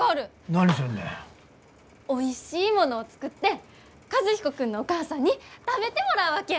おいしいものを作って和彦君のお母さんに食べてもらうわけ！